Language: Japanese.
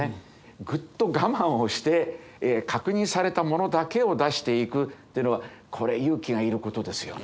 ぐっと我慢をして確認されたものだけを出していくというのはこれ勇気がいることですよね。